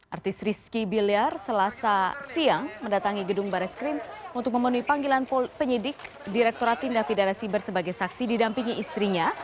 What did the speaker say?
artis rizky biliar selasa siang mendatangi gedung baris krim untuk memenuhi panggilan penyidik direkturat tindak pidana siber sebagai saksi didampingi istrinya